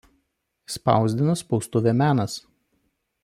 Spausdino spaustuvė „Menas“.